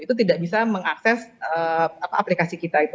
itu tidak bisa mengakses aplikasi kita itu